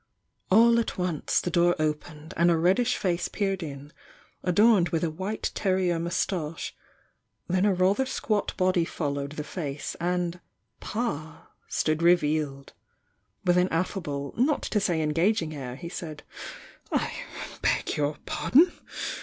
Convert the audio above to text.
All at once the door opened and a reddish face peered in, adorned with a white terrier mous tache — then a rather squat body followed the face and "Pa" stood revealed. With an affable, not to say engaging air, he said: "I beg your pardon